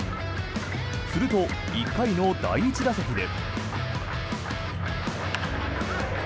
すると、１回の第１打席で。